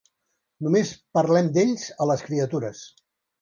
Només parlem d'ells a les criatures.